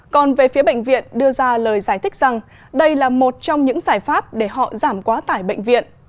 còn về phía bệnh viện đưa ra lời giải thích rằng đây là một trong những giải pháp để họ giảm quá tải bệnh viện